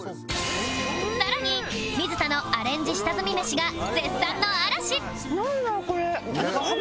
さらに水田のアレンジ下積みメシが絶賛の嵐なんだろう？